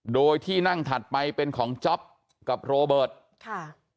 โดยที่นั่งถัดไปเป็นของจ๊อปกับโรเบิร์ตค่ะ